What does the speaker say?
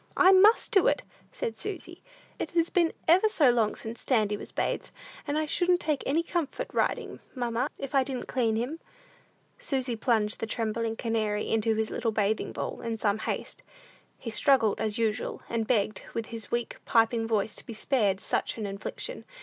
"I must do it," said Susy; "it has been ever so long since Dandy was bathed, and I shouldn't take any comfort riding, mamma, if I didn't leave him clean." Susy plunged the trembling canary into his little bathing bowl, in some haste. He struggled as usual, and begged, with his weak, piping voice, to be spared such an infliction.